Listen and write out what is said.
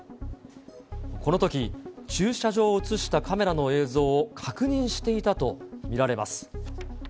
このとき、駐車場を写したカメラの映像を確認していたと見られます。